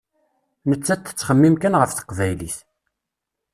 Nettat tettxemmim kan ɣef teqbaylit.